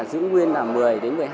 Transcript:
giữ nguyên là một mươi đến một mươi hai